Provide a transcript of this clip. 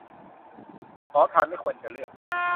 ขอทานไม่ควรจะเลือก